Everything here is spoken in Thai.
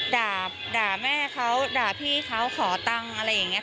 ด่าแม่เขาด่าพี่เขาขอตังค์อะไรอย่างนี้